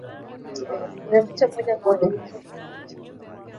lina picha moja la wakimbizi wamekaa chini